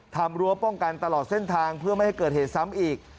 รั้วป้องกันตลอดเส้นทางเพื่อไม่ให้เกิดเหตุซ้ำอีก